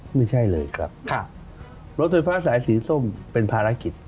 ไม่ใช่เลยครับรถไฟฟ้าสายสีส้มเป็นภารกิจ